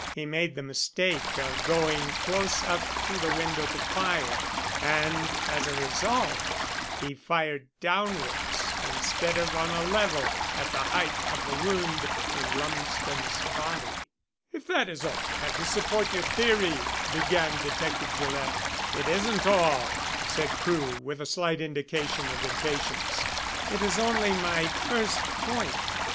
He made the mistake of going close up to the window to fire, and as a result he fired downwards instead of on a level at the height of the wound in Lumsden's body." "If that is all you have to support your theory " began Detective Gillett. "It isn't all," said Crewe, with a slight indication of impatience. "It is only my first point.